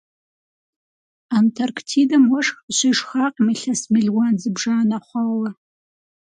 Антарктидэм уэшх къыщешхакъым илъэс мелуан зыбжанэ хъуауэ.